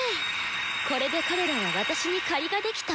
これで彼らは私に借りができたもの。